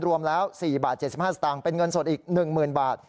รวมแล้ว๔บาท๗๕สตางค์เป็นเงินสดอีก๑๐๐๐บาท